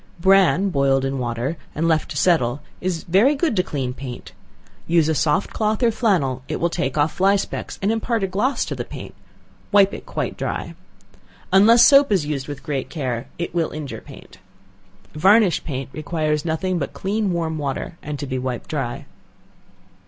Bran boiled in water, and left to settle, is very good to clean paint; use a soft cloth or flannel; it will take off fly specks and impart a gloss to the paint; wipe it quite dry. Unless soap is used with great care, it will injure paint. Varnished paint requires nothing but clean warm water and to be wiped dry.